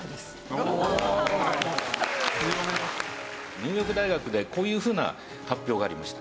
ニューヨーク大学でこういうふうな発表がありました。